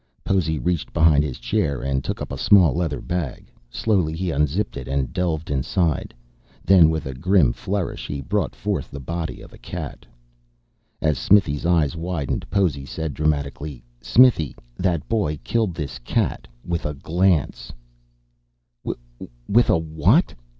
Possy reached behind his chair and took up a small leather bag. Slowly he unzipped it and delved inside. Then, with a grim flourish, he brought forth the body of a cat. As Smithy's eyes widened, Possy said dramatically: "Smithy, that boy killed this cat with a glance." "With a a what?"